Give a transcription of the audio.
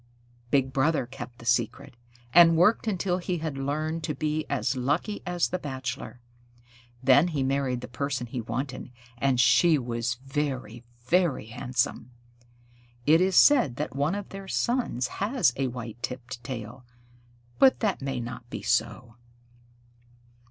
Big Brother kept the secret, and worked until he had learned to be as lucky as the Bachelor. Then he married the person he wanted, and she was very, very handsome. It is said that one of their sons has a white tipped tail, but that may not be so.